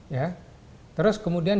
ya terus kemudian